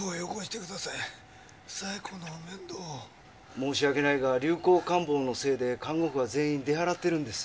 申し訳ないが流行感冒のせいで看護婦は全員出払ってるんです。